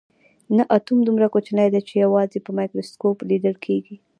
نه اتوم دومره کوچنی دی چې یوازې په مایکروسکوپ لیدل کیږي